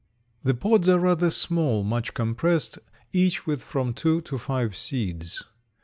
The pods are rather small, much compressed, each with from two to five seeds.